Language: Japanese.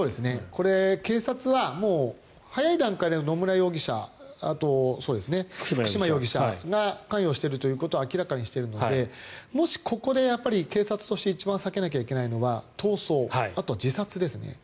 これ、警察はもう早い段階で野村容疑者と福島容疑者が関与しているということを明らかにしているのでもし、ここで警察として一番避けなければいけないのは逃走、あとは自殺ですね。